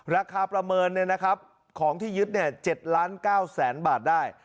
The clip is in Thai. ประเมินของที่ยึด๗ล้าน๙แสนบาทได้